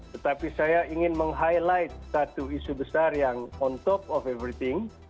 tetapi saya ingin meng highlight satu isu besar yang on top of everything